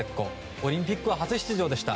オリンピックは初出場でした。